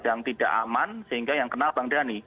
yang tidak aman sehingga yang kenal bang dhani